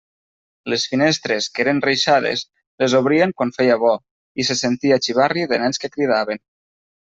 Les finestres, que eren reixades, les obrien quan feia bo, i se sentia xivarri de nens que cridaven.